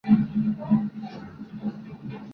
Esta es la lista de algunas de esas críticas.